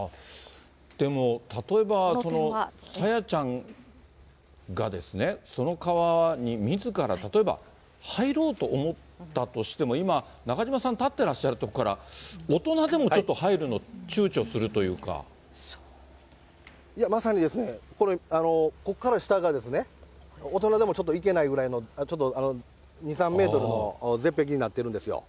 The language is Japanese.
でも、例えば朝芽ちゃんが、その川にみずから例えば入ろうと思ったとしても今、中島さん、立ってらっしゃる所から、大人でもちょっと入るの、いや、まさに、ここから下が、大人でもちょっと行けないぐらいの、ちょっと、２、３メートルの絶壁になってるんですよ。